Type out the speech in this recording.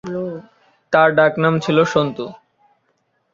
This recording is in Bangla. তার ডাকনাম ছিল সন্তু।